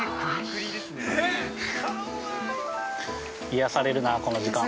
◆癒されるな、この時間。